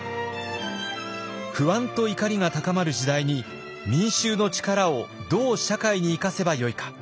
不安と怒りが高まる時代に民衆の力をどう社会に生かせばよいか。